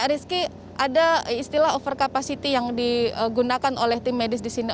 rizky ada istilah over capacity yang digunakan oleh tim medis di sini